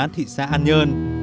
thị xã an nhơn